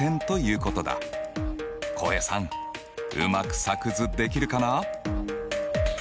浩平さんうまく作図できるかな？